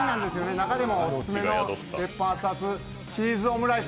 中でもオススメの鉄板あつあつチーズオムライス。